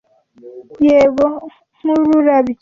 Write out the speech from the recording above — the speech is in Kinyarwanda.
yego ку nk nkururabyo